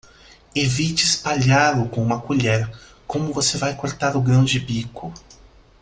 Evite espalhá-lo com uma colher, como você vai cortar o grão de bico.